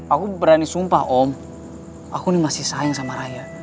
aku berani sumpah om aku ini masih sayang sama raya